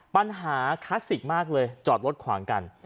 ปัญหาคลาสสิกมากเลยจอดรถขวางกัน